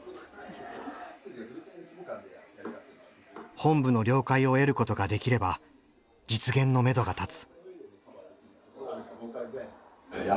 本部の了解を得ることができれば実現のめどが立つ。